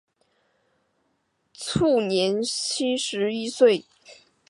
卒年七十一岁。